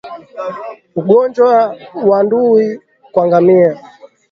Ugonjwa wa ndui kwa ngamia